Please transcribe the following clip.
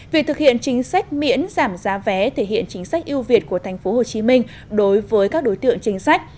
việc thực hiện chính sách miễn giảm giá vé thể hiện chính sách yêu việt của tp hcm đối với các đối tượng chính sách